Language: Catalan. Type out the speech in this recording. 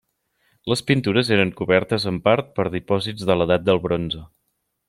Les pintures eren cobertes en part per dipòsits de l'edat del Bronze.